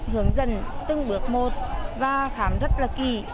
hướng dẫn từng bước một và khám rất là kỹ